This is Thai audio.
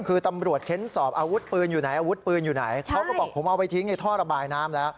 คือตำรวจเค้นสอบอาวุธปืนอยู่ไหนอาวุธปืนอยู่ไหนเขาก็บอกผมเอาไปทิ้งในท่อระบายน้ำแล้ว